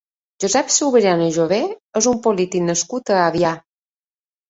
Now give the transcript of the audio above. Josep Subirana i Jové és un polític nascut a Avià.